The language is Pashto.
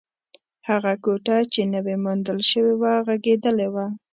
هغه کوټه چې نوې موندل شوې وه، غږېدلې وه.